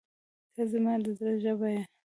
• ته زما د زړه ژبه یې.